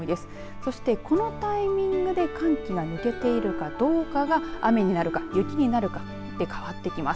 そして、このタイミングで寒気が抜けているかどうかが雨になるか雪になるかで変わってきます。